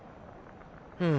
うん。